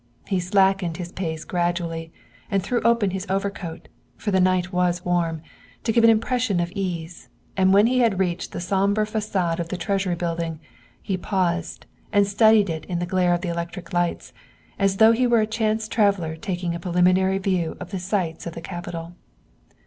He slackened his pace gradually, and threw open his overcoat, for the night was warm, to give an impression of ease, and when he had reached the somber facade of the Treasury Building he paused and studied it in the glare of the electric lights, as though he were a chance traveler taking a preliminary view of the sights of the capital.